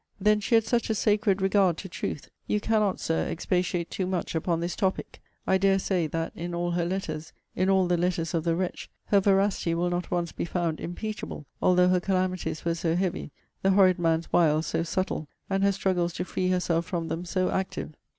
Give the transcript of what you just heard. Then she had such a sacred regard to truth. You cannot, Sir, expatiate too much upon this topic. I dare say, that in all her letters, in all the letters of the wretch, her veracity will not once be found impeachable, although her calamities were so heavy, the horrid man's wiles so subtle, and her struggles to free herself from them so active.